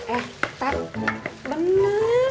eh tapi bener